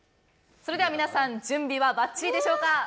それでは皆さん準備はばっちりでしょうか？